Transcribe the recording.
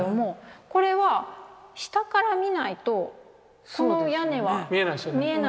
これは下から見ないとその屋根は見えないですね。